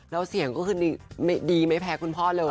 แล้วเสียงก็คือดีไม่แพ้คุณพ่อเลย